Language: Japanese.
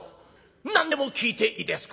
「何でも聞いていいですか？」。